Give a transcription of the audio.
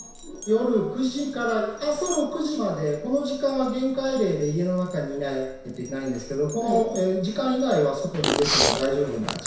夜９時から朝６時までこの時間は戒厳令で家の中にいないといけないんですけどこの時間以外は外に出ても大丈夫な時間です。